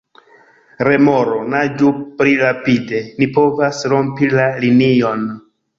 Remoro: "Naĝu pli rapide! Ni povas rompi la linion!"